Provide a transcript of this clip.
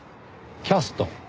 キャスト？